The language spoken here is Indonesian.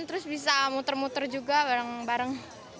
terus bisa muter muter juga bareng bareng